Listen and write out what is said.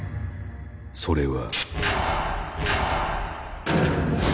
それは。